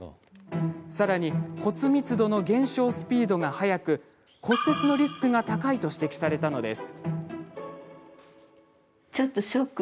さらに骨密度の減少スピードが速く骨折のリスクが高いと指摘されたのです。